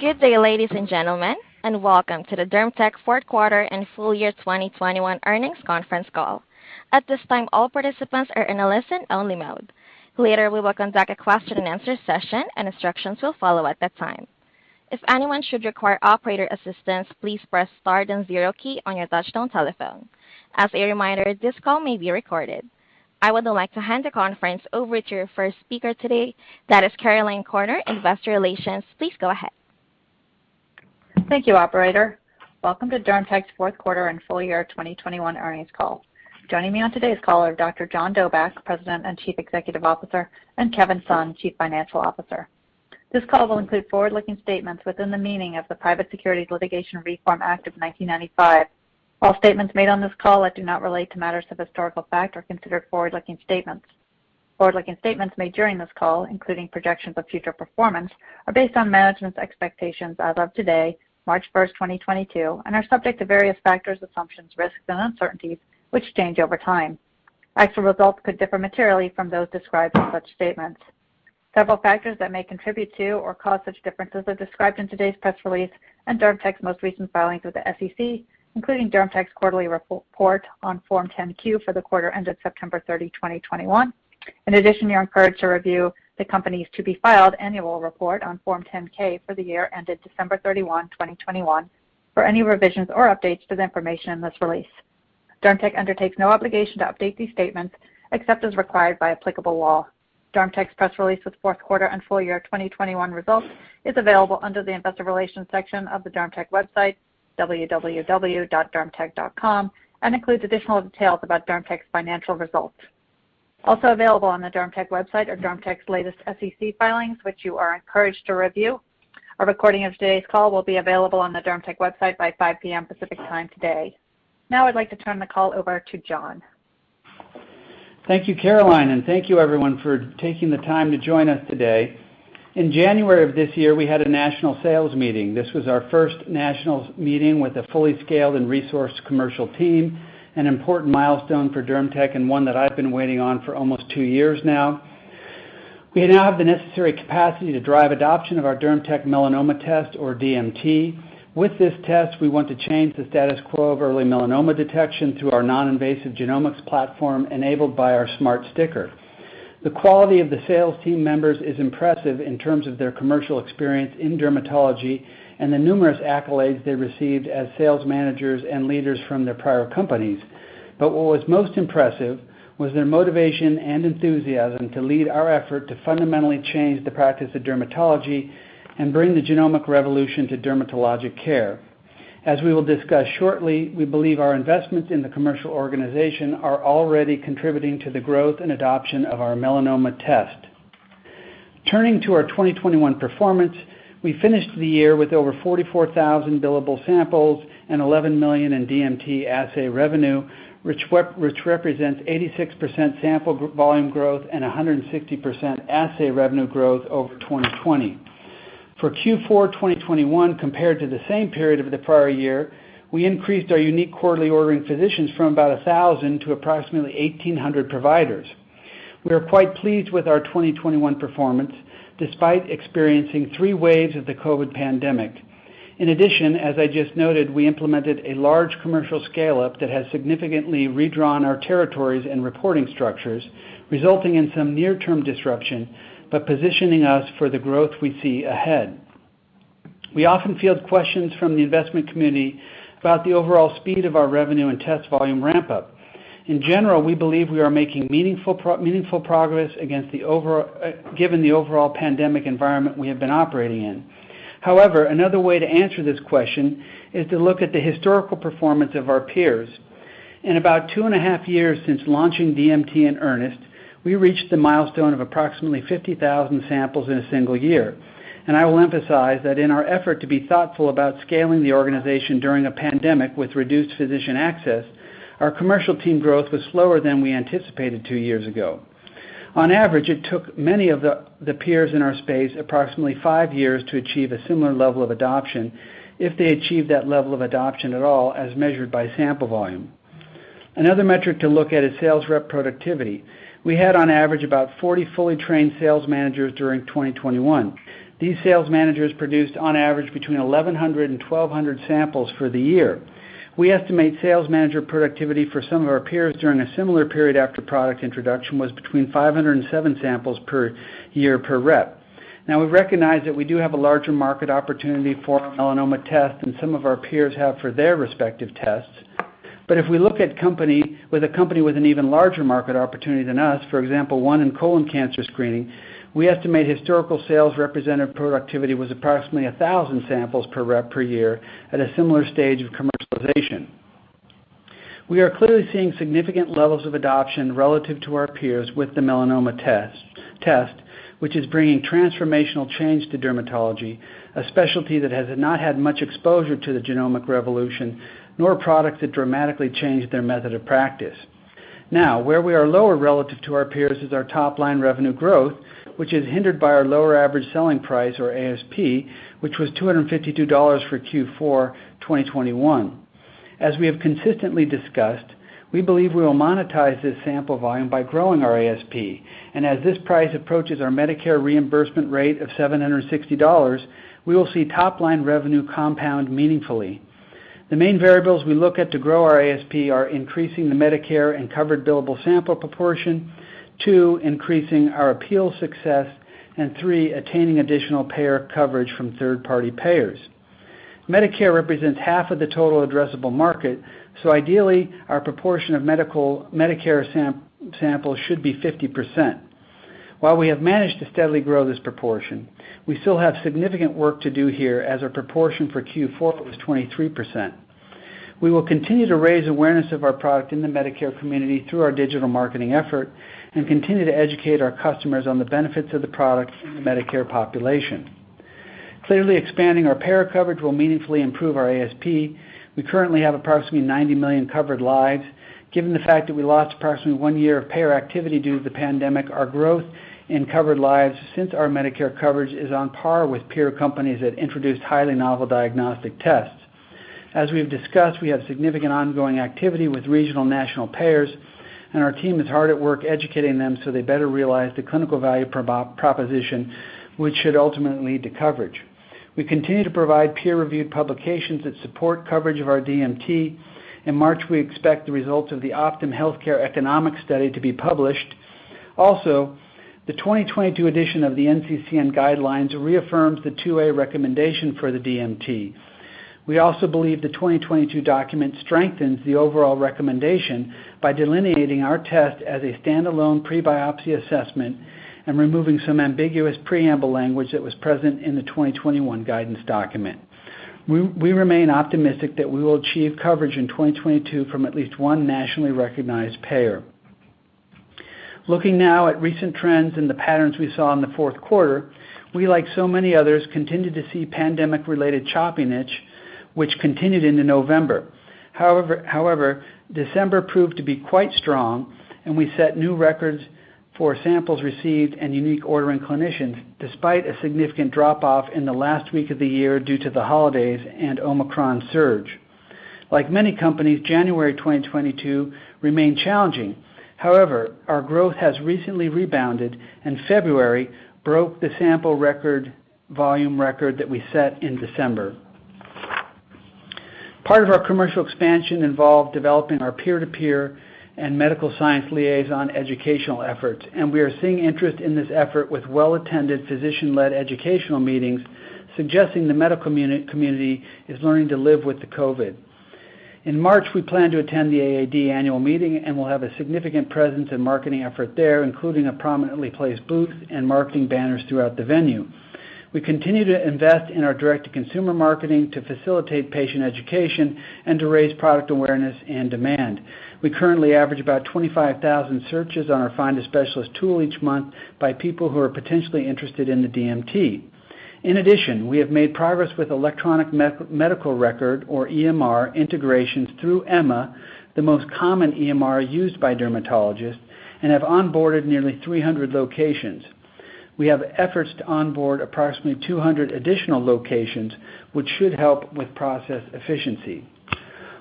Good day, ladies and gentlemen, and welcome to the DermTech fourth quarter and full year 2021 earnings conference call. At this time, all participants are in a listen-only mode. Later, we will conduct a question-and-answer session, and instructions will follow at that time. If anyone should require operator assistance, please press star then zero key on your touchtone telephone. As a reminder, this call may be recorded. I would now like to hand the conference over to your first speaker today. That is Caroline Corner, Investor Relations. Please go ahead. Thank you, operator. Welcome to DermTech's fourth quarter and full year 2021 earnings call. Joining me on today's call are Dr. John Dobak, President and Chief Executive Officer, and Kevin Sun, Chief Financial Officer. This call will include forward-looking statements within the meaning of the Private Securities Litigation Reform Act of 1995. All statements made on this call that do not relate to matters of historical fact are considered forward-looking statements. Forward-looking statements made during this call, including projections of future performance, are based on management's expectations as of today, March 1, 2022, and are subject to various factors, assumptions, risks, and uncertainties, which change over time. Actual results could differ materially from those described in such statements. Several factors that may contribute to or cause such differences are described in today's press release and DermTech's most recent filings with the SEC, including DermTech's quarterly report on Form 10-Q for the quarter ended September 30, 2021. In addition, you're encouraged to review the Company's to-be-filed annual report on Form 10-K for the year ended December 31, 2021 for any revisions or updates to the information in this release. DermTech undertakes no obligation to update these statements except as required by applicable law. DermTech's press release with fourth quarter and full year 2021 results is available under the Investor Relations section of the DermTech website, www.dermtech.com, and includes additional details about DermTech's financial results. Also available on the DermTech website are DermTech's latest SEC filings, which you are encouraged to review. A recording of today's call will be available on the DermTech website by 5:00 P.M. Pacific Time today. Now I'd like to turn the call over to John. Thank you, Caroline, and thank you everyone for taking the time to join us today. In January of this year, we had a national sales meeting. This was our first national meeting with a fully scaled and resourced commercial team, an important milestone for DermTech, and one that I've been waiting on for almost two years now. We now have the necessary capacity to drive adoption of our DermTech Melanoma Test, or DMT. With this test, we want to change the status quo of early melanoma detection through our non-invasive genomics platform enabled by our Smart Sticker. The quality of the sales team members is impressive in terms of their commercial experience in dermatology and the numerous accolades they received as sales managers and leaders from their prior companies. What was most impressive was their motivation and enthusiasm to lead our effort to fundamentally change the practice of dermatology and bring the genomic revolution to dermatologic care. As we will discuss shortly, we believe our investments in the commercial organization are already contributing to the growth and adoption of our melanoma test. Turning to our 2021 performance, we finished the year with over 44,000 billable samples and $11 million in DMT assay revenue, which represents 86% sample volume growth and 160% assay revenue growth over 2020. For Q4 2021 compared to the same period of the prior year, we increased our unique quarterly ordering physicians from about 1,000 to approximately 1,800 providers. We are quite pleased with our 2021 performance, despite experiencing three waves of the COVID pandemic. In addition, as I just noted, we implemented a large commercial scale-up that has significantly redrawn our territories and reporting structures, resulting in some near-term disruption but positioning us for the growth we see ahead. We often field questions from the investment community about the overall speed of our revenue and test volume ramp-up. In general, we believe we are making meaningful progress given the overall pandemic environment we have been operating in. However, another way to answer this question is to look at the historical performance of our peers. In about two and a half years since launching DMT in earnest, we reached the milestone of approximately 50,000 samples in a single year. I will emphasize that in our effort to be thoughtful about scaling the organization during a pandemic with reduced physician access, our commercial team growth was slower than we anticipated two years ago. On average, it took many of the peers in our space approximately five years to achieve a similar level of adoption if they achieved that level of adoption at all as measured by sample volume. Another metric to look at is sales rep productivity. We had on average about 40 fully trained sales managers during 2021. These sales managers produced on average between 1,100 and 1,200 samples for the year. We estimate sales manager productivity for some of our peers during a similar period after product introduction was between 500 and 700 samples per year per rep. Now we recognize that we do have a larger market opportunity for our melanoma test than some of our peers have for their respective tests. If we look at a company with an even larger market opportunity than us, for example, one in colon cancer screening, we estimate historical sales representative productivity was approximately 1,000 samples per rep per year at a similar stage of commercialization. We are clearly seeing significant levels of adoption relative to our peers with the melanoma test, which is bringing transformational change to dermatology, a specialty that has not had much exposure to the genomic revolution, nor products that dramatically change their method of practice. Now, where we are lower relative to our peers is our top line revenue growth, which is hindered by our lower average selling price, or ASP, which was $252 for Q4 2021. As we have consistently discussed, we believe we will monetize this sample volume by growing our ASP. As this price approaches our Medicare reimbursement rate of $760, we will see top line revenue compound meaningfully. The main variables we look at to grow our ASP are increasing the Medicare and covered billable sample proportion, two, increasing our appeal success, and three, attaining additional payer coverage from third-party payers. Medicare represents half of the total addressable market, so ideally, our proportion of Medicare sample should be 50%. While we have managed to steadily grow this proportion, we still have significant work to do here as our proportion for Q4 was 23%. We will continue to raise awareness of our product in the Medicare community through our digital marketing effort and continue to educate our customers on the benefits of the product in the Medicare population. Clearly, expanding our payer coverage will meaningfully improve our ASP. We currently have approximately 90 million covered lives. Given the fact that we lost approximately one year of payer activity due to the pandemic, our growth in covered lives since our Medicare coverage is on par with peer companies that introduced highly novel diagnostic tests. As we've discussed, we have significant ongoing activity with regional national payers, and our team is hard at work educating them so they better realize the clinical value proposition, which should ultimately lead to coverage. We continue to provide peer-reviewed publications that support coverage of our DMT. In March, we expect the results of the Optum Healthcare economic study to be published. Also, the 2022 edition of the NCCN guidelines reaffirms the 2A recommendation for the DMT. We also believe the 2022 document strengthens the overall recommendation by delineating our test as a standalone pre-biopsy assessment and removing some ambiguous preamble language that was present in the 2021 guidance document. We remain optimistic that we will achieve coverage in 2022 from at least one nationally recognized payer. Looking now at recent trends and the patterns we saw in the fourth quarter, we, like so many others, continued to see pandemic-related choppiness, which continued into November. However, December proved to be quite strong, and we set new records for samples received and unique ordering clinicians, despite a significant drop-off in the last week of the year due to the holidays and Omicron surge. Like many companies, January 2022 remained challenging. However, our growth has recently rebounded, and February broke the sample volume record that we set in December. Part of our commercial expansion involved developing our peer-to-peer and medical science liaison educational efforts, and we are seeing interest in this effort with well-attended physician-led educational meetings, suggesting the medical community is learning to live with the COVID. In March, we plan to attend the AAD annual meeting and will have a significant presence and marketing effort there, including a prominently placed booth and marketing banners throughout the venue. We continue to invest in our direct-to-consumer marketing to facilitate patient education and to raise product awareness and demand. We currently average about 25,000 searches on our Find a Specialist tool each month by people who are potentially interested in the DMT. In addition, we have made progress with electronic medical record or EMR integrations through EMA, the most common EMR used by dermatologists, and have onboarded nearly 300 locations. We have efforts to onboard approximately 200 additional locations, which should help with process efficiency.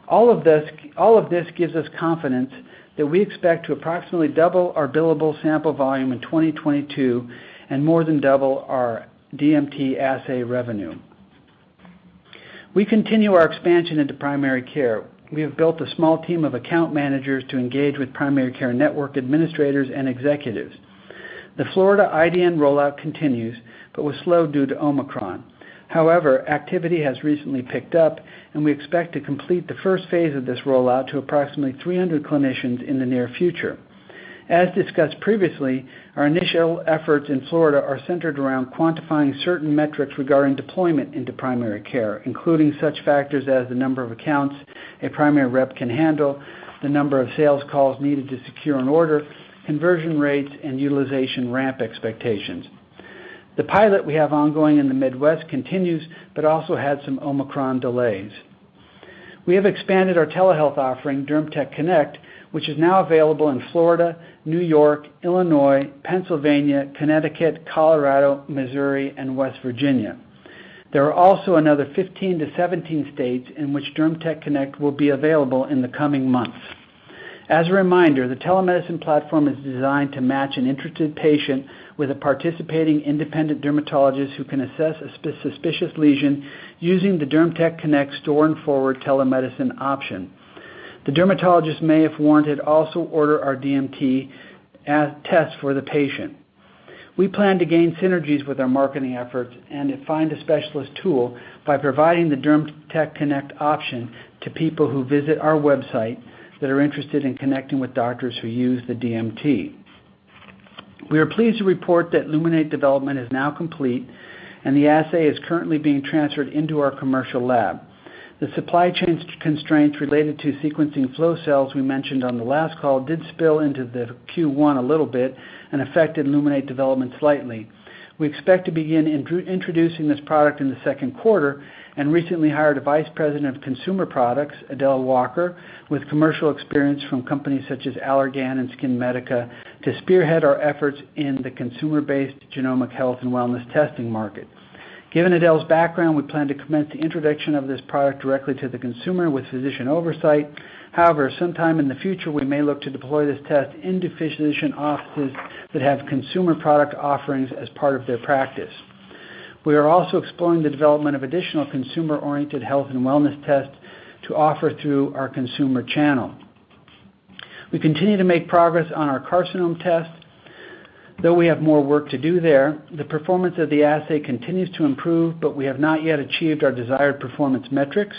All of this gives us confidence that we expect to approximately double our billable sample volume in 2022 and more than double our DMT assay revenue. We continue our expansion into primary care. We have built a small team of account managers to engage with primary care network administrators and executives. The Florida IDN rollout continues, but was slow due to Omicron. However, activity has recently picked up, and we expect to complete the first phase of this rollout to approximately 300 clinicians in the near future. As discussed previously, our initial efforts in Florida are centered around quantifying certain metrics regarding deployment into primary care, including such factors as the number of accounts a primary rep can handle, the number of sales calls needed to secure an order, conversion rates, and utilization ramp expectations. The pilot we have ongoing in the Midwest continues, but also had some Omicron delays. We have expanded our telehealth offering, DermTech Connect, which is now available in Florida, New York, Illinois, Pennsylvania, Connecticut, Colorado, Missouri, and West Virginia. There are also another 15-17 states in which DermTech Connect will be available in the coming months. As a reminder, the telemedicine platform is designed to match an interested patient with a participating independent dermatologist who can assess a suspicious lesion using the DermTech Connect store and forward telemedicine option. The dermatologist may, if warranted, also order our DMT test for the patient. We plan to gain synergies with our marketing efforts and a Find a Specialist tool by providing the DermTech Connect option to people who visit our website that are interested in connecting with doctors who use the DMT. We are pleased to report that Luminate development is now complete, and the assay is currently being transferred into our commercial lab. The supply chain constraints related to sequencing flow cells we mentioned on the last call did spill into the Q1 a little bit and affected Luminate development slightly. We expect to begin introducing this product in the second quarter and recently hired a Vice President of Consumer Products, Adelle Walker, with commercial experience from companies such as Allergan and SkinMedica, to spearhead our efforts in the consumer-based genomic health and wellness testing market. Given Adelle's background, we plan to commence the introduction of this product directly to the consumer with physician oversight. However, sometime in the future, we may look to deploy this test into physician offices that have consumer product offerings as part of their practice. We are also exploring the development of additional consumer-oriented health and wellness tests to offer through our consumer channel. We continue to make progress on our Carcinome test, though we have more work to do there. The performance of the assay continues to improve, but we have not yet achieved our desired performance metrics.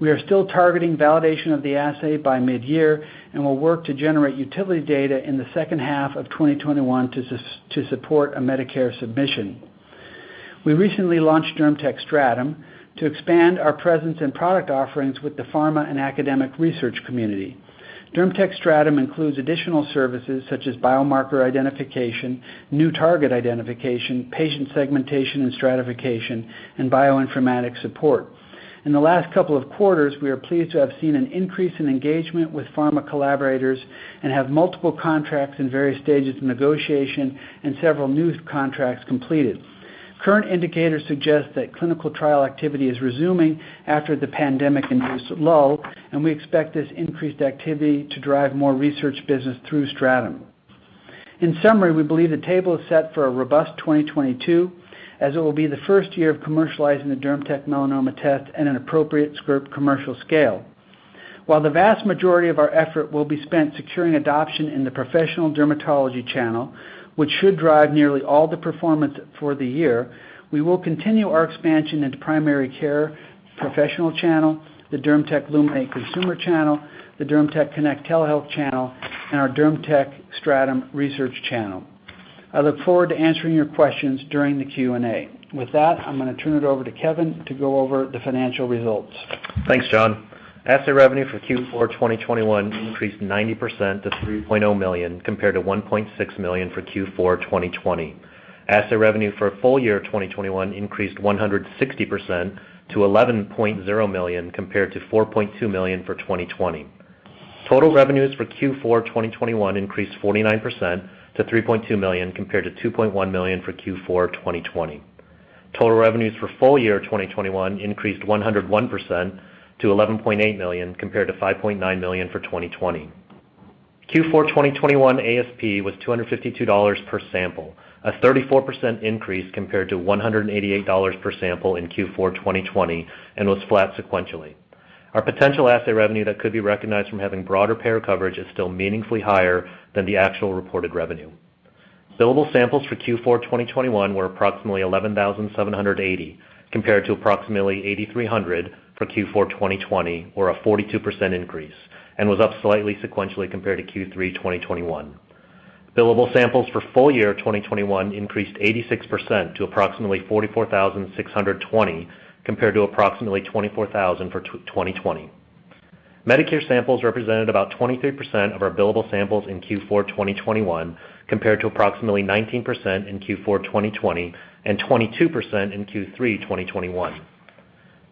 We are still targeting validation of the assay by mid-year, and we'll work to generate utility data in the second half of 2021 to support a Medicare submission. We recently launched DermTech Stratum to expand our presence and product offerings with the pharma and academic research community. DermTech Stratum includes additional services such as biomarker identification, new target identification, patient segmentation and stratification, and bioinformatics support. In the last couple of quarters, we are pleased to have seen an increase in engagement with pharma collaborators and have multiple contracts in various stages of negotiation and several new contracts completed. Current indicators suggest that clinical trial activity is resuming after the pandemic-induced lull, and we expect this increased activity to drive more research business through Stratum. In summary, we believe the table is set for a robust 2022, as it will be the first year of commercializing the DermTech Melanoma Test at an appropriate scrip commercial scale. While the vast majority of our effort will be spent securing adoption in the professional dermatology channel, which should drive nearly all the performance for the year, we will continue our expansion into primary care professional channel, the DermTech Illuminate consumer channel, the DermTech Connect telehealth channel, and our DermTech Stratum research channel. I look forward to answering your questions during the Q&A. With that, I'm gonna turn it over to Kevin to go over the financial results. Thanks, John. Asset revenue for Q4 2021 increased 90% to $3.0 million, compared to $1.6 million for Q4 2020. Asset revenue for full year 2021 increased 160% to $11.0 million, compared to $4.2 million for 2020. Total revenues for Q4 2021 increased 49% to $3.2 million, compared to $2.1 million for Q4 2020. Total revenues for full year 2021 increased 101% to $11.8 million, compared to $5.9 million for 2020. Q4 2021 ASP was $252 per sample, a 34% increase compared to $188 per sample in Q4 2020, and was flat sequentially. Our potential asset revenue that could be recognized from having broader payer coverage is still meaningfully higher than the actual reported revenue. Billable samples for Q4 2021 were approximately 11,780, compared to approximately 8,300 for Q4 2020, or a 42% increase, and was up slightly sequentially compared to Q3 2021. Billable samples for full year 2021 increased 86% to approximately 44,620, compared to approximately 24,000 for 2020. Medicare samples represented about 23% of our billable samples in Q4 2021, compared to approximately 19% in Q4 2020 and 22% in Q3 2021.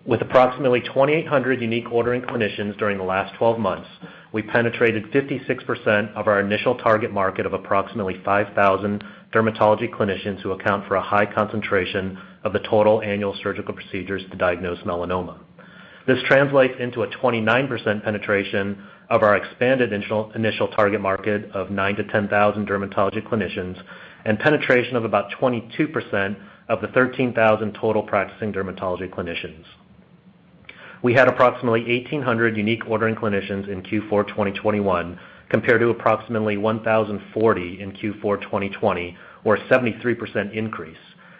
With approximately 2,800 unique ordering clinicians during the last 12 months, we penetrated 56% of our initial target market of approximately 5,000 dermatology clinicians who account for a high concentration of the total annual surgical procedures to diagnose melanoma. This translates into a 29% penetration of our expanded initial target market of 9,000-10,000 dermatology clinicians, and penetration of about 22% of the 13,000 total practicing dermatology clinicians. We had approximately 1,800 unique ordering clinicians in Q4 2021, compared to approximately 1,040 in Q4 2020, or a 73% increase,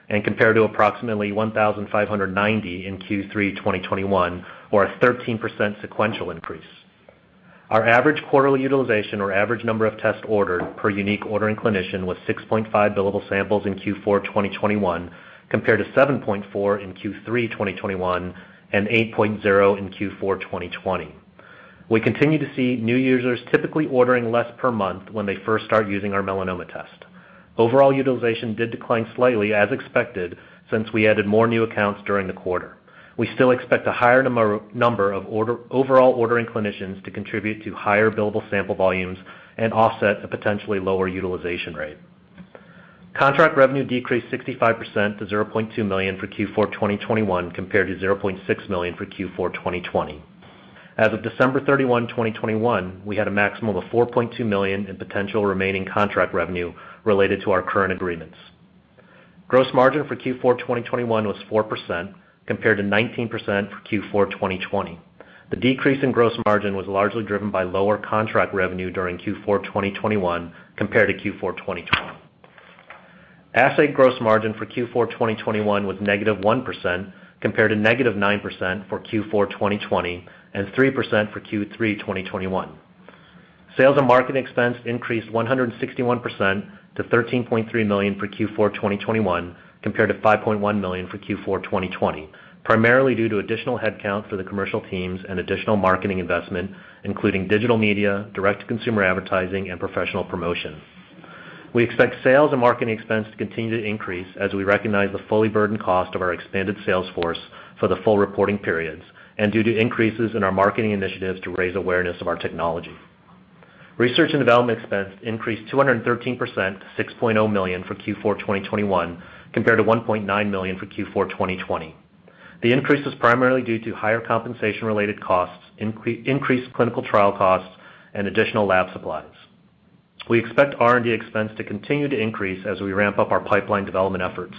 and compared to approximately 1,590 in Q3 2021, or a 13% sequential increase. Our average quarterly utilization or average number of tests ordered per unique ordering clinician was 6.5 billable samples in Q4 2021, compared to 7.4 in Q3 2021 and 8.0 in Q4 2020. We continue to see new users typically ordering less per month when they first start using our melanoma test. Overall utilization did decline slightly, as expected, since we added more new accounts during the quarter. We still expect a higher number of overall ordering clinicians to contribute to higher billable sample volumes and offset a potentially lower utilization rate. Contract revenue decreased 65% to $0.2 million for Q4 2021 compared to $0.6 million for Q4 2020. As of December 31, 2021, we had a maximum of $4.2 million in potential remaining contract revenue related to our current agreements. Gross margin for Q4 2021 was 4% compared to 19% for Q4 2020. The decrease in gross margin was largely driven by lower contract revenue during Q4 2021 compared to Q4 2020. Asset gross margin for Q4 2021 was -1% compared to -9% for Q4 2020 and 3% for Q3 2021. Sales and marketing expense increased 161% to $13.3 million for Q4 2021 compared to $5.1 million for Q4 2020, primarily due to additional headcount for the commercial teams and additional marketing investment, including digital media, direct-to-consumer advertising, and professional promotion. We expect sales and marketing expense to continue to increase as we recognize the fully burdened cost of our expanded sales force for the full reporting periods and due to increases in our marketing initiatives to raise awareness of our technology. Research and development expense increased 213% to $6.0 million for Q4 2021 compared to $1.9 million for Q4 2020. The increase was primarily due to higher compensation related costs, increased clinical trial costs, and additional lab supplies. We expect R&D expense to continue to increase as we ramp up our pipeline development efforts.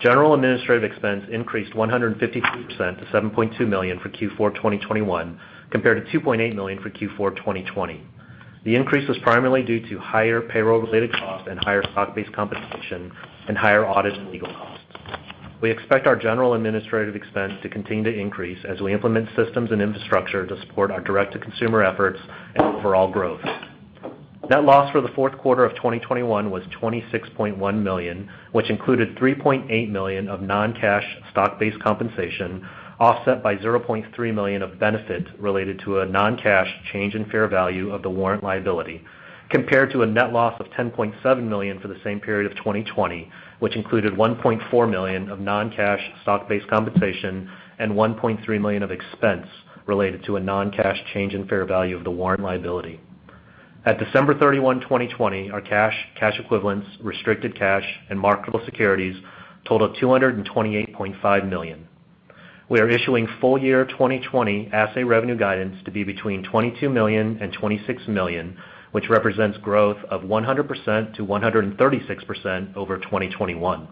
General administrative expense increased 152% to $7.2 million for Q4 2021 compared to $2.8 million for Q4 2020. The increase was primarily due to higher payroll related costs and higher stock-based compensation and higher audit and legal costs. We expect our general administrative expense to continue to increase as we implement systems and infrastructure to support our direct to consumer efforts and overall growth. Net loss for the fourth quarter of 2021 was $26.1 million, which included $3.8 million of non-cash stock-based compensation, offset by $0.3 million of benefit related to a non-cash change in fair value of the warrant liability, compared to a net loss of $10.7 million for the same period of 2020, which included $1.4 million of non-cash stock-based compensation and $1.3 million of expense related to a non-cash change in fair value of the warrant liability. At December 31, 2020, our cash equivalents, restricted cash, and marketable securities totaled $228.5 million. We are issuing full year 2020 assay revenue guidance to be between $22 million and $26 million, which represents growth of 100% to 136% over 2021.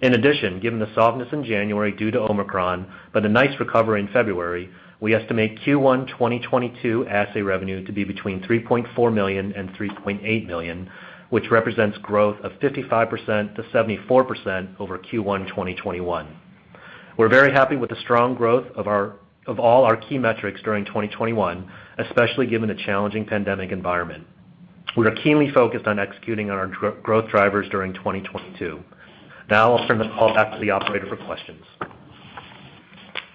In addition, given the softness in January due to Omicron, but a nice recovery in February, we estimate Q1 2022 assay revenue to be between $3.4 million and $3.8 million, which represents growth of 55% to 74% over Q1 2021. We're very happy with the strong growth of all our key metrics during 2021, especially given the challenging pandemic environment. We are keenly focused on executing on our growth drivers during 2022. Now I'll turn the call back to the operator for questions.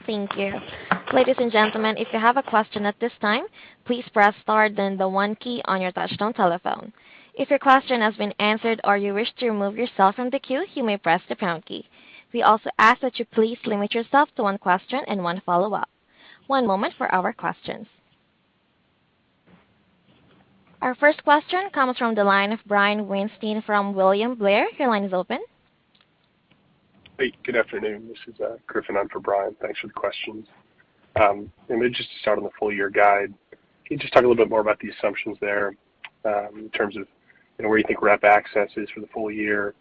Thank you. Ladies and gentlemen, if you have a question at this time, please press star then the one key on your touchtone telephone. If your question has been answered or you wish to remove yourself from the queue, you may press the pound key. We also ask that you please limit yourself to one question and one follow-up. One moment for our questions. Our first question comes from the line of Brian Weinstein from William Blair. Your line is open. Hey, good afternoon. This is Griffin on for Brian. Thanks for the questions. Let me just start on the full year guide. Can you just talk a little bit more about the assumptions there, in terms of, you know, where you think rep access is for the full year,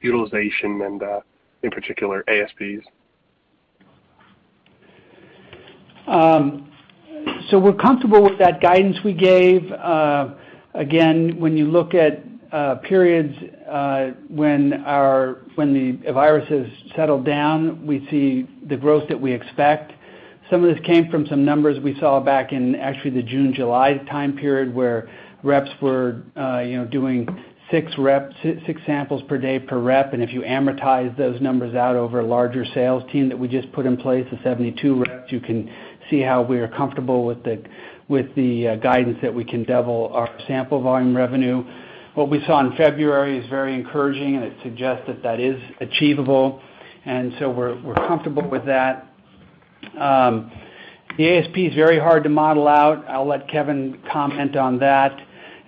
utilization and, in particular ASPs? We're comfortable with that guidance we gave. Again, when you look at periods, when the viruses settle down, we see the growth that we expect. Some of this came from some numbers we saw back in actually the June, July time period, where reps were, you know, doing six samples per day per rep. If you amortize those numbers out over a larger sales team that we just put in place, the 72 reps, you can see how we are comfortable with the guidance that we can double our sample volume revenue. What we saw in February is very encouraging and it suggests that is achievable. We're comfortable with that. The ASP is very hard to model out. I'll let Kevin comment on that.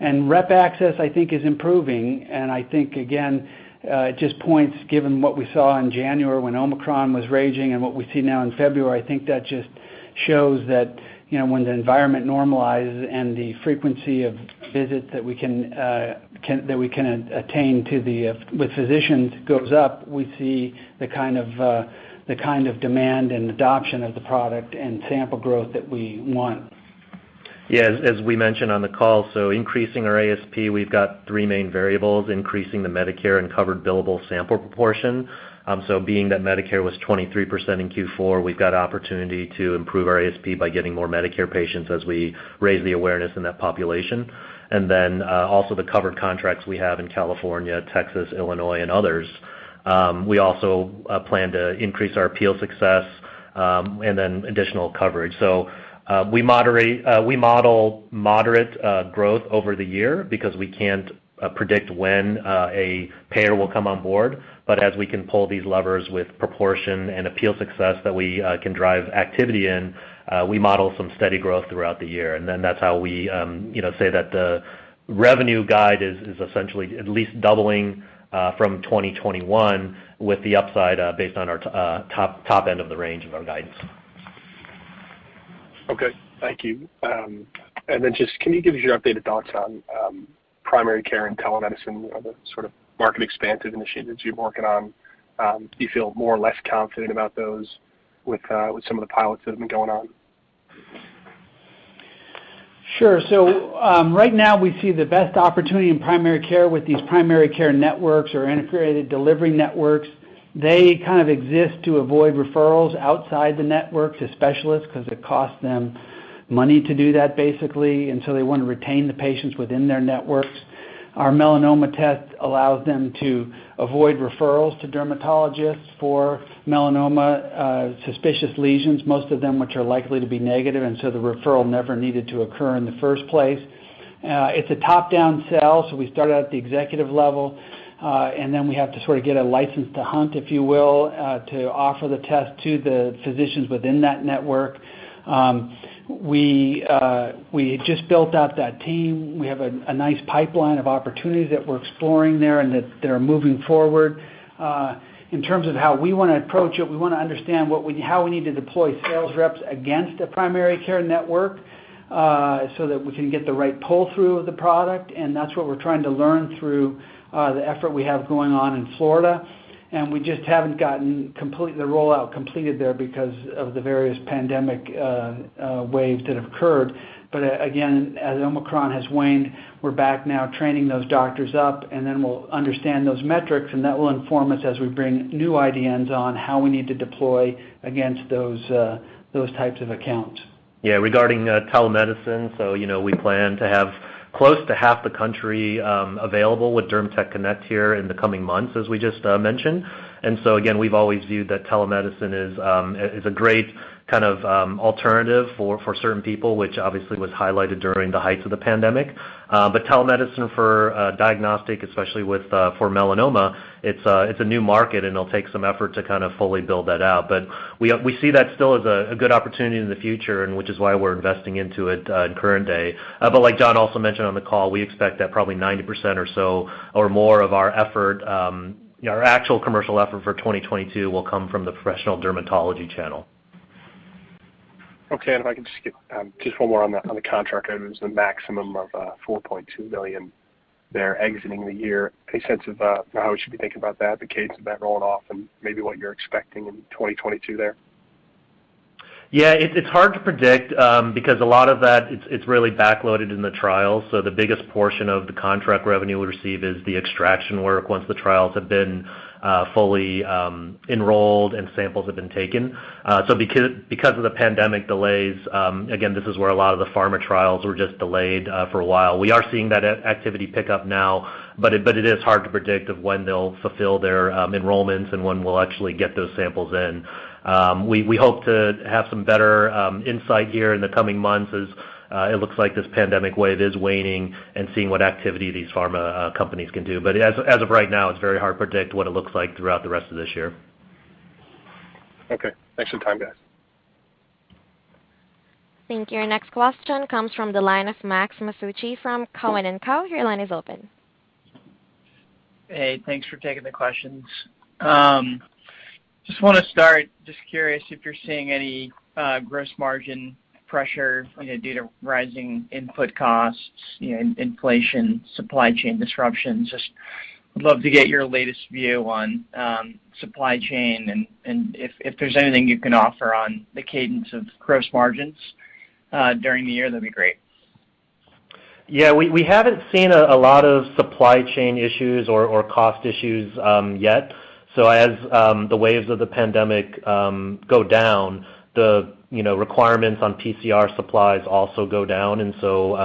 Rep access I think is improving. I think again, it just points given what we saw in January when Omicron was raging and what we see now in February. I think that just shows that, you know, when the environment normalizes and the frequency of visits that we can attain with physicians goes up, we see the kind of demand and adoption of the product and sample growth that we want. As we mentioned on the call, increasing our ASP, we've got three main variables, increasing the Medicare and covered billable sample proportion. Being that Medicare was 23% in Q4, we've got opportunity to improve our ASP by getting more Medicare patients as we raise the awareness in that population. Also the covered contracts we have in California, Texas, Illinois, and others. We also plan to increase our appeal success, and then additional coverage. We model moderate growth over the year because we can't predict when a payer will come on board. But as we can pull these levers with proportion and appeal success that we can drive activity in, we model some steady growth throughout the year. That's how we, you know, say that the revenue guide is essentially at least doubling from 2021, with the upside based on our top end of the range of our guidance. Okay. Thank you. Just, can you give us your updated thoughts on primary care and telemedicine, you know, the sort of market expansion initiatives you're working on? Do you feel more or less confident about those with some of the pilots that have been going on? Sure. Right now we see the best opportunity in primary care with these primary care networks or integrated delivery networks. They kind of exist to avoid referrals outside the networks to specialists because it costs them money to do that basically. They wanna retain the patients within their networks. Our melanoma test allows them to avoid referrals to dermatologists for melanoma, suspicious lesions, most of them which are likely to be negative, and so the referral never needed to occur in the first place. It's a top-down sell, so we start out at the executive level, and then we have to sort of get a license to hunt, if you will, to offer the test to the physicians within that network. We just built out that team. We have a nice pipeline of opportunities that we're exploring there and that they're moving forward. In terms of how we wanna approach it, we wanna understand how we need to deploy sales reps against a primary care network, so that we can get the right pull-through of the product, and that's what we're trying to learn through the effort we have going on in Florida. We just haven't gotten the rollout completed there because of the various pandemic waves that have occurred. As Omicron has waned, we're back now training those doctors up, and then we'll understand those metrics, and that will inform us as we bring new IDNs on how we need to deploy against those types of accounts. Yeah, regarding telemedicine, you know, we plan to have close to half the country available with DermTech Connect here in the coming months, as we just mentioned. Again, we've always viewed that telemedicine is a great kind of alternative for certain people, which obviously was highlighted during the heights of the pandemic. Telemedicine for diagnostic, especially with for melanoma, it's a new market, and it'll take some effort to kind of fully build that out. We see that still as a good opportunity in the future and which is why we're investing into it in current day. Like John also mentioned on the call, we expect that probably 90% or so, or more of our effort, our actual commercial effort for 2022 will come from the professional dermatology channel. Okay. If I can just get just one more on the contract. It was the maximum of $4.2 million there exiting the year. Any sense of how we should be thinking about that, the cadence of that rolling off and maybe what you're expecting in 2022 there? It's hard to predict because a lot of that, it's really backloaded in the trials. The biggest portion of the contract revenue we receive is the extraction work once the trials have been fully enrolled and samples have been taken. Because of the pandemic delays, again, this is where a lot of the pharma trials were just delayed for a while. We are seeing that activity pick up now, but it is hard to predict when they'll fulfill their enrollments and when we'll actually get those samples in. We hope to have some better insight here in the coming months as it looks like this pandemic wave is waning and seeing what activity these pharma companies can do. As of right now, it's very hard to predict what it looks like throughout the rest of this year. Okay. Thanks for the time, guys. Thank you. Your next question comes from the line of Max Masucci from Cowen and Co. Your line is open. Hey, thanks for taking the questions. Just wanna start, just curious if you're seeing any gross margin pressure, you know, due to rising input costs, you know, inflation, supply chain disruptions. Just would love to get your latest view on supply chain and if there's anything you can offer on the cadence of gross margins during the year, that'd be great. Yeah, we haven't seen a lot of supply chain issues or cost issues yet. As the waves of the pandemic go down, the requirements on PCR supplies also go down.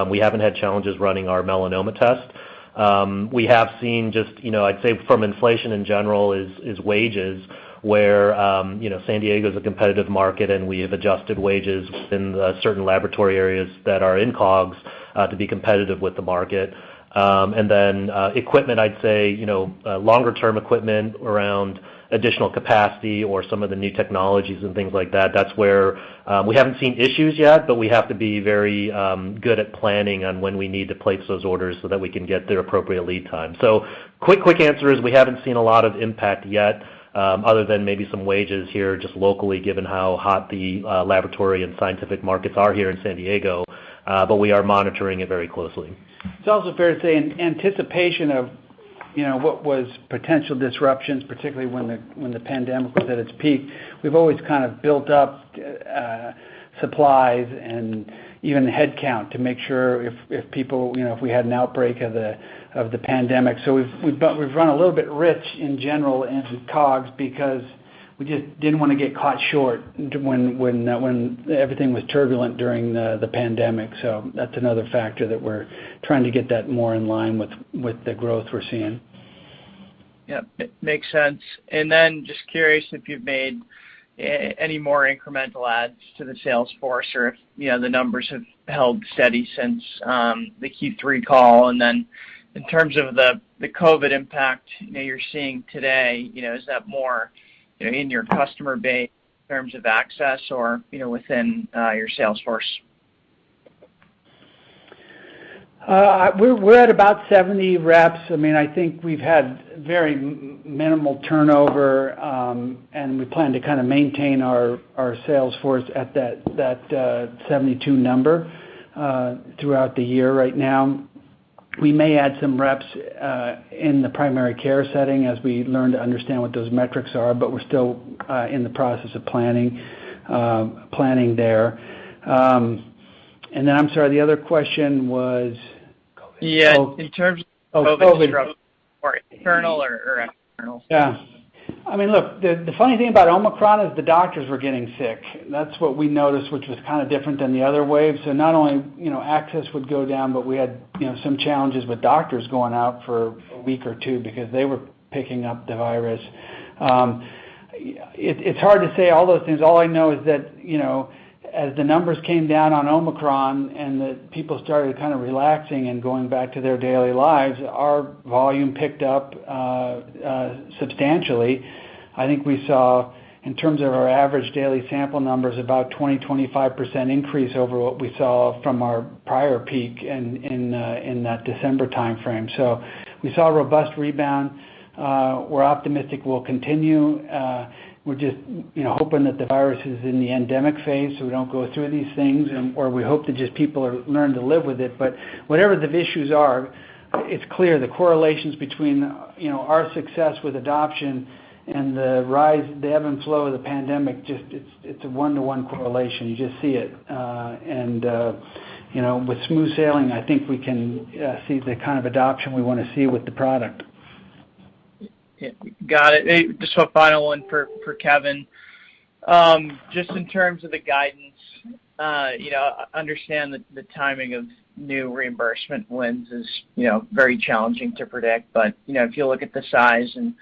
We haven't had challenges running our melanoma test. We have seen just, you know, I'd say from inflation in general is wages, where you know, San Diego is a competitive market, and we have adjusted wages within the certain laboratory areas that are in COGS to be competitive with the market. Equipment, I'd say, you know, longer term equipment around additional capacity or some of the new technologies and things like that's where we haven't seen issues yet, but we have to be very good at planning on when we need to place those orders so that we can get their appropriate lead time. Quick answer is we haven't seen a lot of impact yet, other than maybe some wages here just locally, given how hot the laboratory and scientific markets are here in San Diego, but we are monitoring it very closely. It's also fair to say in anticipation of, you know, what was potential disruptions, particularly when the pandemic was at its peak. We've always kind of built up supplies and even headcount to make sure if people, you know, if we had an outbreak of the pandemic. We've run a little bit rich in general into COGS because we just didn't wanna get caught short when everything was turbulent during the pandemic. That's another factor that we're trying to get that more in line with the growth we're seeing. Yep. Makes sense. Just curious if you've made any more incremental adds to the sales force or if, you know, the numbers have held steady since the Q3 call. In terms of the COVID impact you're seeing today, you know, is that more, you know, in your customer base in terms of access or, you know, within your sales force? We're at about 70 reps. I mean, I think we've had very minimal turnover, and we plan to kind of maintain our sales force at that 72 number throughout the year right now. We may add some reps in the primary care setting as we learn to understand what those metrics are, but we're still in the process of planning there. Then, I'm sorry, the other question was... COVID. Yeah. In terms of COVID structure or internal or external. I mean, look, the funny thing about Omicron is the doctors were getting sick. That's what we noticed, which was kinda different than the other waves. Not only, you know, access would go down, but we had, you know, some challenges with doctors going out for a week or two because they were picking up the virus. It's hard to say all those things. All I know is that, you know, as the numbers came down on Omicron and the people started kind of relaxing and going back to their daily lives, our volume picked up substantially. I think we saw in terms of our average daily sample numbers about a 20%-25% increase over what we saw from our prior peak in that December timeframe. We saw a robust rebound. We're optimistic we'll continue. We're just, you know, hoping that the virus is in the endemic phase, so we don't go through these things or we hope that just people learn to live with it. Whatever the issues are, it's clear the correlations between, you know, our success with adoption and the rise, the ebb and flow of the pandemic just it's a one-to-one correlation. You just see it. You know, with smooth sailing, I think we can see the kind of adoption we wanna see with the product. Yeah. Got it. Just a final one for Kevin. Just in terms of the guidance, you know, I understand the timing of new reimbursement wins is, you know, very challenging to predict. You know, if you look at the size and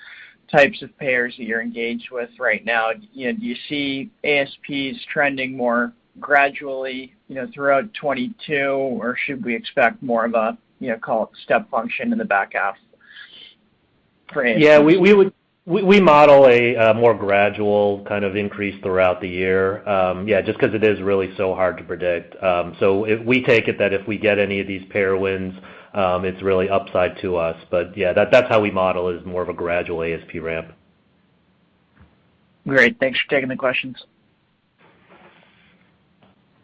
types of payers that you're engaged with right now, you know, do you see ASPs trending more gradually, you know, throughout 2022, or should we expect more of a, you know, call it step function in the back half for instance? Yeah, we model a more gradual kind of increase throughout the year. Yeah, just 'cause it is really so hard to predict. If we take it that if we get any of these payer wins, it's really upside to us. Yeah, that's how we model is more of a gradual ASP ramp. Great. Thanks for taking the questions.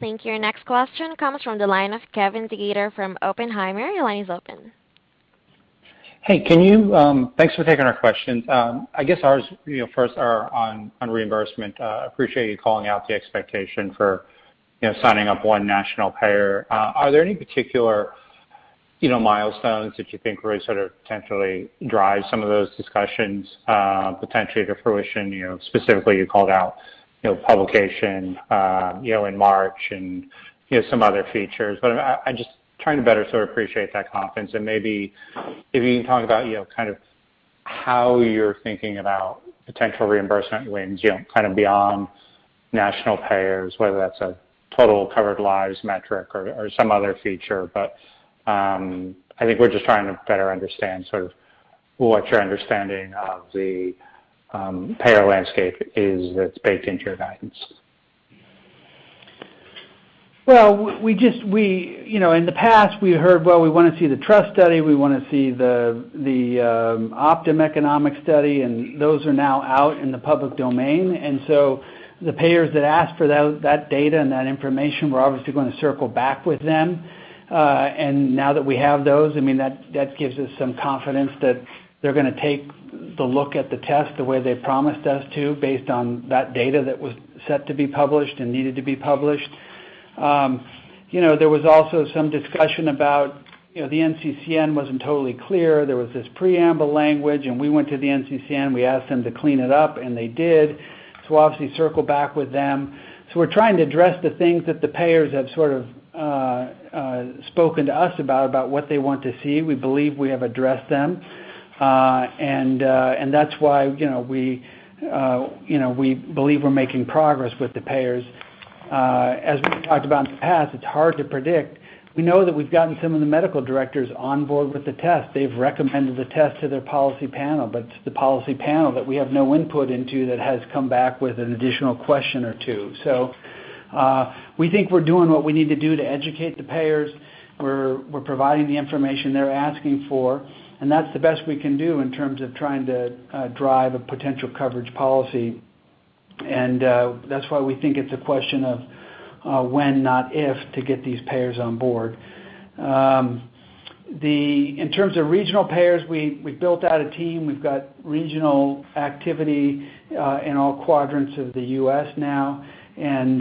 Thank you. Next question comes from the line of Kevin DeGeeter from Oppenheimer. Your line is open. Thanks for taking our questions. I guess ours, you know, first are on reimbursement. Appreciate you calling out the expectation for, you know, signing up one national payer. Are there any particular, you know, milestones that you think would sort of potentially drive some of those discussions, potentially to fruition? You know, specifically you called out, you know, publication, you know, in March and, you know, some other features. I just trying to better sort of appreciate that confidence and maybe if you can talk about, you know, kind of how you're thinking about potential reimbursement wins, you know, kind of beyond national payers, whether that's a total covered lives metric or some other feature. I think we're just trying to better understand sort of what your understanding of the payer landscape is that's baked into your guidance. You know, in the past we heard, well, we wanna see the TRUST Study. We wanna see the Optum economic study, and those are now out in the public domain. The payers that ask for that data and that information, we're obviously gonna circle back with them. Now that we have those, I mean, that gives us some confidence that they're gonna take a look at the test the way they promised us to based on that data that was set to be published and needed to be published. You know, there was also some discussion about, you know, the NCCN wasn't totally clear. There was this preamble language, and we went to the NCCN. We asked them to clean it up, and they did. We'll obviously circle back with them. We're trying to address the things that the payers have sort of spoken to us about what they want to see. We believe we have addressed them. That's why, you know, we believe we're making progress with the payers. As we've talked about in the past, it's hard to predict. We know that we've gotten some of the medical directors on board with the test. They've recommended the test to their policy panel, but it's the policy panel that we have no input into that has come back with an additional question or two. We think we're doing what we need to do to educate the payers. We're providing the information they're asking for, and that's the best we can do in terms of trying to drive a potential coverage policy. That's why we think it's a question of when, not if, to get these payers on board. In terms of regional payers, we built out a team. We've got regional activity in all quadrants of the U.S. now. You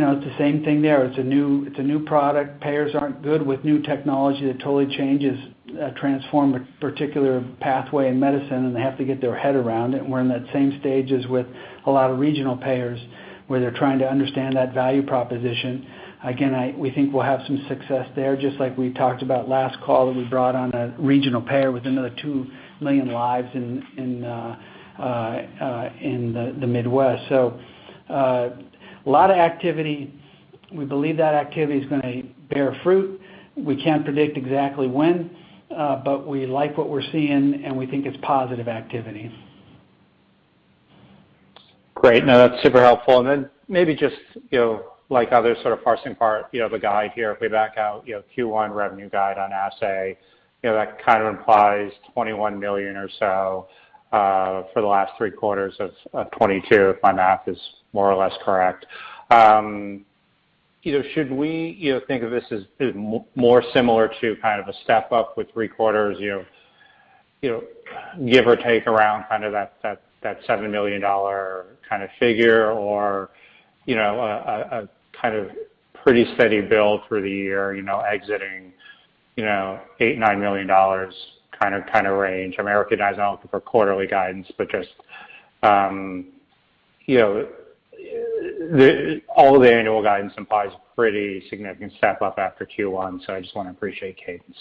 know, it's the same thing there. It's a new product. Payers aren't good with new technology that totally changes transform a particular pathway in medicine, and they have to get their head around it. We're in that same stage as with a lot of regional payers, where they're trying to understand that value proposition. Again, we think we'll have some success there, just like we talked about last call that we brought on a regional payer with another two million lives in the Midwest. A lot of activity. We believe that activity is gonna bear fruit. We can't predict exactly when, but we like what we're seeing, and we think it's positive activity. Great. No, that's super helpful. Maybe just, you know, like other sort of parsing part, you know, of the guide here, if we back out, you know, Q1 revenue guide on Assay, you know, that kind of implies $21 million or so for the last three quarters of 2022, if my math is more or less correct. You know, should we, you know, think of this as more similar to kind of a step up with three quarters, you know, give or take around kind of that $7 million kind of figure or, you know, a kind of pretty steady build through the year, you know, exiting you know, $8 million-$9 million kind of range. I mean, Eric and I aren't looking for quarterly guidance, but just, you know, the... All the annual guidance implies a pretty significant step up after Q1, so I just wanna appreciate cadence.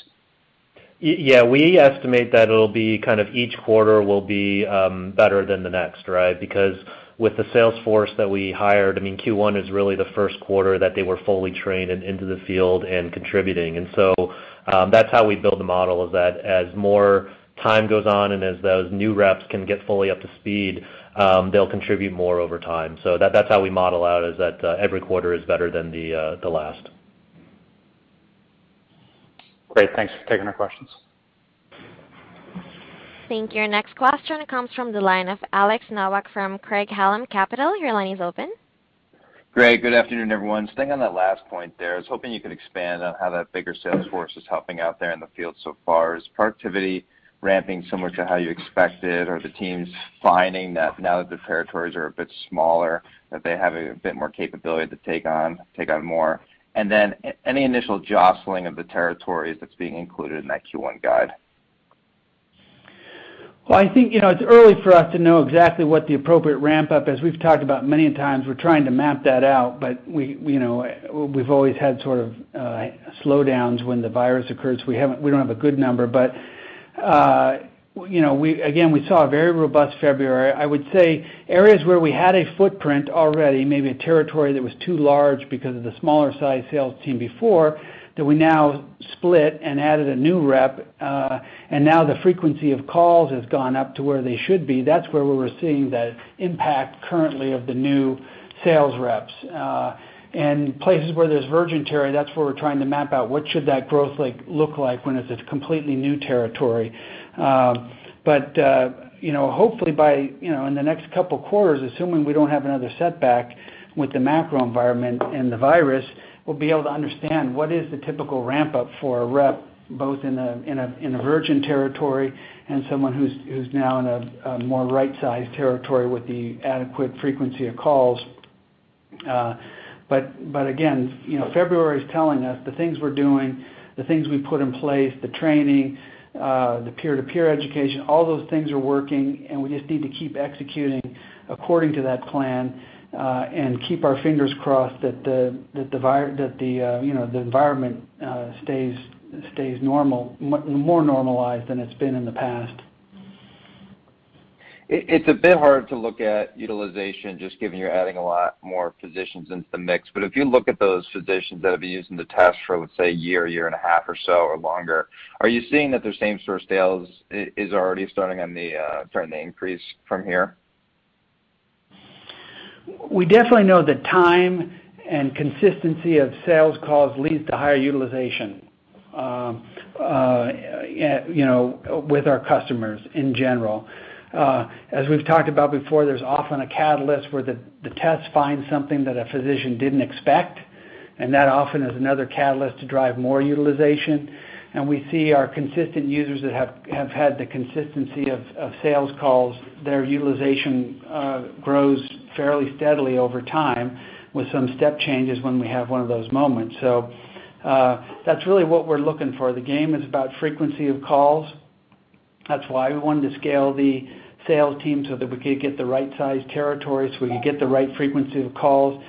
Yeah. We estimate that it'll be kind of each quarter will be better than the next, right? Because with the sales force that we hired, I mean, Q1 is really the first quarter that they were fully trained and into the field and contributing. That's how we build the model, is that as more time goes on and as those new reps can get fully up to speed, they'll contribute more over time. That's how we model out, is that every quarter is better than the last. Great. Thanks for taking our questions. Thank you. Your next question comes from the line of Alex Nowak from Craig-Hallum Capital Group. Your line is open. Great. Good afternoon, everyone. Staying on that last point there, I was hoping you could expand on how that bigger sales force is helping out there in the field so far. Is productivity ramping similar to how you expected? Are the teams finding that now that the territories are a bit smaller, that they have a bit more capability to take on more? Then any initial jostling of the territories that's being included in that Q1 guide? Well, I think, you know, it's early for us to know exactly what the appropriate ramp up is. We've talked about many times, we're trying to map that out, but we, you know, we've always had sort of, slowdowns when the virus occurs. We don't have a good number. You know, again, we saw a very robust February. I would say areas where we had a footprint already, maybe a territory that was too large because of the smaller sized sales team before, that we now split and added a new rep, and now the frequency of calls has gone up to where they should be. That's where we're seeing the impact currently of the new sales reps. Places where there's virgin territory, that's where we're trying to map out what that growth should look like when it's a completely new territory. You know, hopefully by, you know, in the next couple quarters, assuming we don't have another setback with the macro environment and the virus, we'll be able to understand what the typical ramp up is for a rep, both in a virgin territory and for someone who's now in a more right sized territory with the adequate frequency of calls. Again, you know, February is telling us the things we're doing, the things we put in place, the training, the peer-to-peer education, all those things are working, and we just need to keep executing according to that plan, and keep our fingers crossed that the environment stays more normalized than it's been in the past. It's a bit hard to look at utilization just given you're adding a lot more physicians into the mix. If you look at those physicians that have been using the test for, let's say, a year and a half or so, or longer, are you seeing that the same store sales is already starting to increase from here? We definitely know that time and consistency of sales calls leads to higher utilization, you know, with our customers in general. As we've talked about before, there's often a catalyst where the test finds something that a physician didn't expect, and that often is another catalyst to drive more utilization. We see our consistent users that have had the consistency of sales calls, their utilization grows fairly steadily over time with some step changes when we have one of those moments. That's really what we're looking for. The game is about frequency of calls. That's why we wanted to scale the sales team so that we could get the right size territories, we could get the right frequency of calls.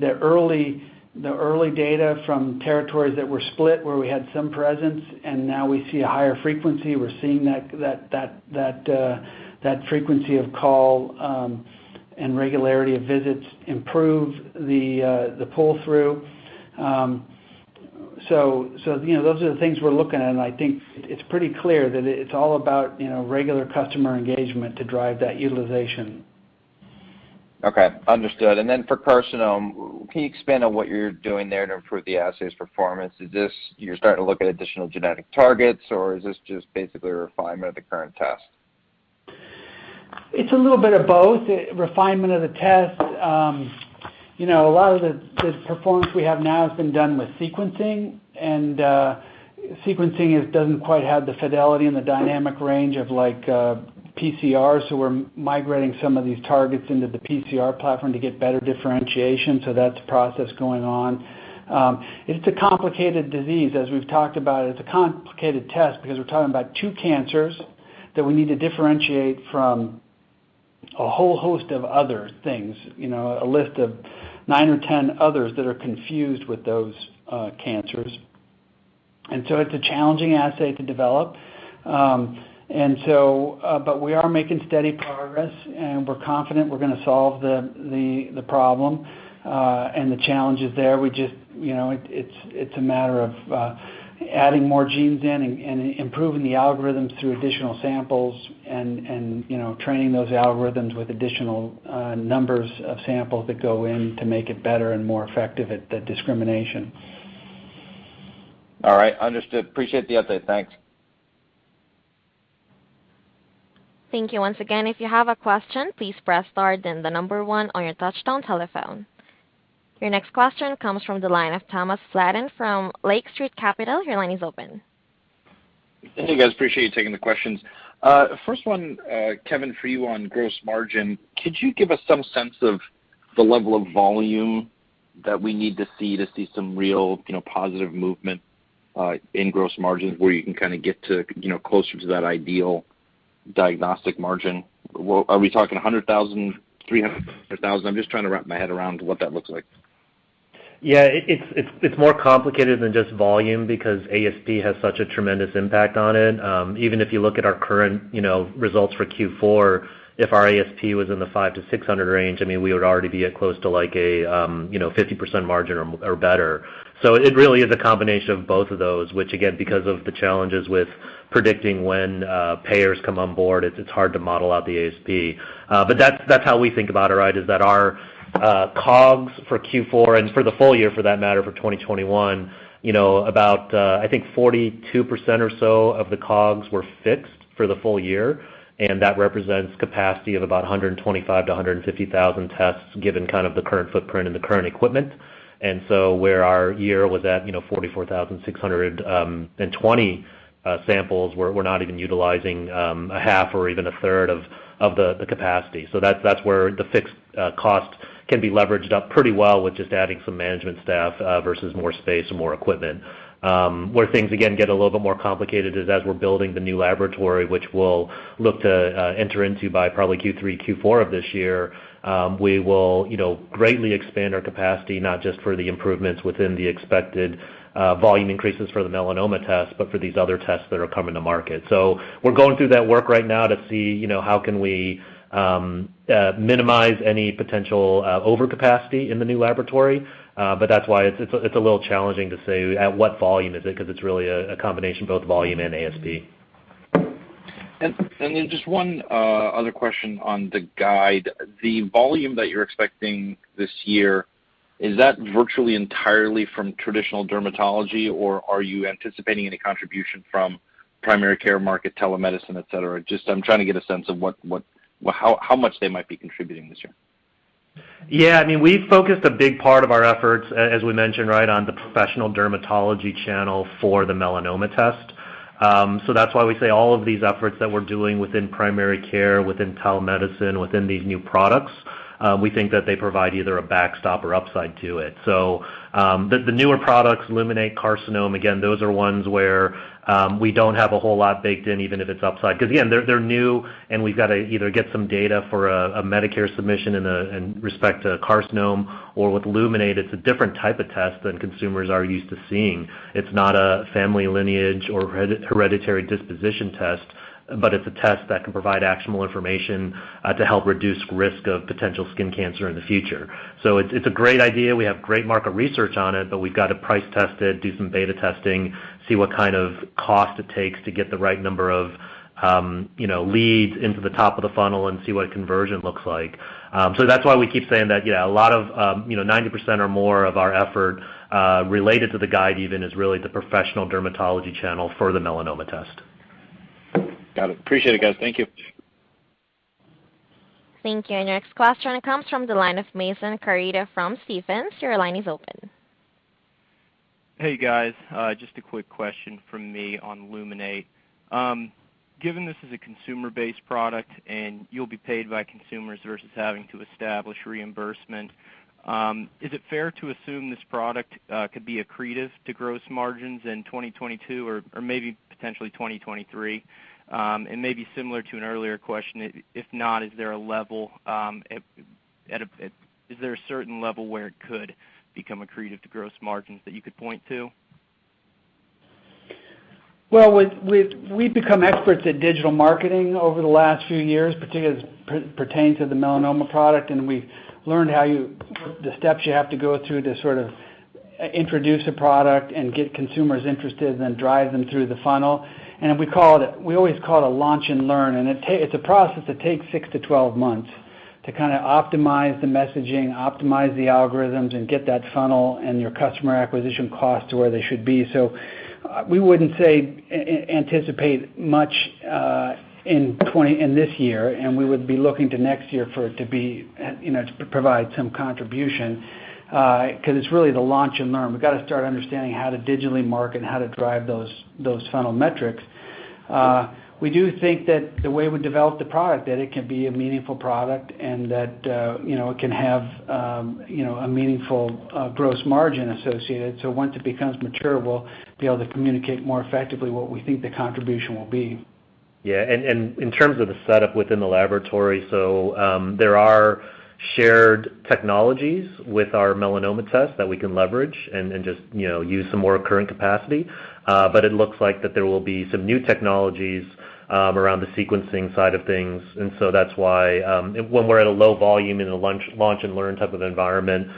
The early data from territories that were split where we had some presence and now we see a higher frequency. We're seeing that frequency of call and regularity of visits improve the pull-through. You know, those are the things we're looking at. I think it's pretty clear that it's all about, you know, regular customer engagement to drive that utilization. Okay. Understood. For Carcinome, can you expand on what you're doing there to improve the assay's performance? Is this you starting to look at additional genetic targets, or is this just basically a refinement of the current test? It's a little bit of both: refinement of the test. You know, a lot of the performance we have now has been done with sequencing. Sequencing doesn't quite have the fidelity and the dynamic range of like PCRs, so we're migrating some of these targets into the PCR platform to get better differentiation. That's a process going on. It's a complicated disease, as we've talked about. It's a complicated test because we're talking about two cancers that we need to differentiate from a whole host of other things. You know, a list of 9 or 10 others that are confused with those cancers. It's a challenging assay to develop. We are making steady progress, and we're confident we're gonna solve the problem and the challenges there. It's a matter of, you know, adding more genes in and improving the algorithms through additional samples and you know training those algorithms with additional numbers of samples that go in to make it better and more effective at the discrimination. All right. Understood. Appreciate the update. Thanks. Thank you once again. If you have a question, please press star then the number one on your touchtone telephone. Your next question comes from the line of Thomas Flaten from Lake Street Capital. Your line is open. Hey, guys. Appreciate you taking the questions. First one, Kevin, for you on gross margin. Could you give us some sense of the level of volume that we need to see to see some real, you know, positive movement in gross margins where you can kinda get to, you know, closer to that ideal diagnostic margin? Are we talking 100,000, 300,000? I'm just trying to wrap my head around what that looks like. Yeah. It's more complicated than just volume because ASP has such a tremendous impact on it. Even if you look at our current, you know, results for Q4, if our ASP was in the $500-$600 range, I mean, we would already be at close to like a 50% margin or better. It really is a combination of both of those, which again, because of the challenges with predicting when payers come on board, it's hard to model out the ASP. But that's how we think about it, right? That's our COGS for Q4 and for the full year for that matter for 2021, you know, about, I think 42% or so of the COGS were fixed for the full year, and that represents capacity of about 125-150,000 tests given kind of the current footprint and the current equipment. Where our year was at, you know, 44,620 samples, we're not even utilizing a half or even a third of the capacity. That's where the fixed cost can be leveraged up pretty well with just adding some management staff versus more space and more equipment. Where things again get a little bit more complicated is as we're building the new laboratory, which we'll look to enter into by probably Q3, Q4 of this year, we will, you know, greatly expand our capacity, not just for the improvements within the expected volume increases for the melanoma test, but for these other tests that are coming to market. We're going through that work right now to see, you know, how can we minimize any potential overcapacity in the new laboratory, but that's why it's a little challenging to say at what volume is it, 'cause it's really a combination, both volume and ASP. Then just one other question on the guide. The volume that you're expecting this year, is that virtually entirely from traditional dermatology, or are you anticipating any contribution from primary care market, telemedicine, et cetera? Just, I'm trying to get a sense of what, how much they might be contributing this year. Yeah. I mean, we've focused a big part of our efforts, as we mentioned, right, on the professional dermatology channel for the melanoma test. That's why we say all of these efforts that we're doing within primary care, within telemedicine, within these new products, we think that they provide either a backstop or upside to it. The newer products, Luminate, Carcinome, again, those are ones where we don't have a whole lot baked in, even if it's upside. 'Cause again, they're new, and we've gotta either get some data for a Medicare submission in respect to Carcinome. Or with Luminate, it's a different type of test than consumers are used to seeing. It's not a family lineage or hereditary disposition test, but it's a test that can provide actionable information to help reduce risk of potential skin cancer in the future. It's a great idea. We have great market research on it, but we've got to price test it, do some beta testing, see what kind of cost it takes to get the right number of, you know, leads into the top of the funnel and see what a conversion looks like. That's why we keep saying that, yeah, a lot of, you know, 90% or more of our effort related to the guideline is really the professional dermatology channel for the melanoma test. Got it. Appreciate it, guys. Thank you. Thank you. Your next question comes from the line of Mason Carrico from Stephens. Your line is open. Hey, guys. Just a quick question from me on Luminate. Given this is a consumer-based product and you'll be paid by consumers versus having to establish reimbursement, is it fair to assume this product could be accretive to gross margins in 2022 or maybe potentially 2023? Maybe similar to an earlier question, if not, is there a certain level where it could become accretive to gross margins that you could point to? Well, we've become experts at digital marketing over the last few years, particularly as pertains to the melanoma product, and we've learned the steps you have to go through to sort of introduce a product and get consumers interested and then drive them through the funnel. We always call it a launch and learn, and it's a process that takes 6-12 months to kinda optimize the messaging, optimize the algorithms, and get that funnel and your customer acquisition cost to where they should be. We wouldn't anticipate much in 2022 in this year, and we would be looking to next year for it to be you know to provide some contribution 'cause it's really the launch and learn. We've gotta start understanding how to digitally market and how to drive those funnel metrics. We do think that the way we develop the product, that it can be a meaningful product and that, you know, it can have, you know, a meaningful gross margin associated. Once it becomes mature, we'll be able to communicate more effectively what we think the contribution will be. Yeah. In terms of the setup within the laboratory, there are shared technologies with our melanoma test that we can leverage and just, you know, use some more current capacity. But it looks like there will be some new technologies around the sequencing side of things. That's why, when we're at a low volume in a launch and learn type of environment,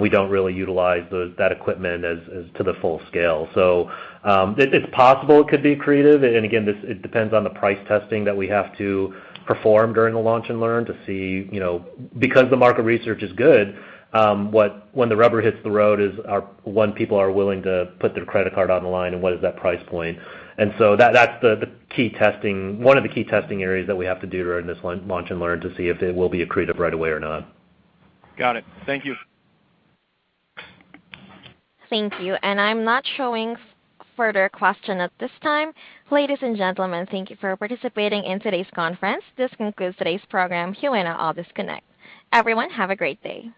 we don't really utilize that equipment as to the full scale. It's possible it could be accretive. Again, it depends on the price testing that we have to perform during the launch and learn to see, you know. Because the market research is good, what. When the rubber hits the road is when people are willing to put their credit card on the line and what is that price point. That's the key testing, one of the key testing areas that we have to do during this launch and learn to see if it will be accretive right away or not. Got it. Thank you. Thank you. I'm not seeing further questions at this time. Ladies and gentlemen, thank you for participating in today's conference. This concludes today's program. You may now all disconnect. Everyone, have a great day.